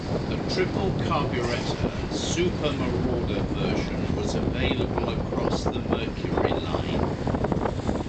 A triple-carburetor"Super Marauder" version was available across the Mercury line.